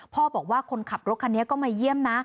พ่อบอกว่าคนขับรถคันนี้ก็มาเยี่ยมนะ